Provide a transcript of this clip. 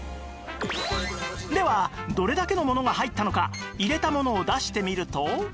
ではどれだけのものが入ったのか入れたものを出してみると